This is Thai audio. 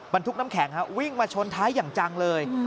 ทุกน้ำแข็งวิ่งมาชนท้ายอย่างจังเลย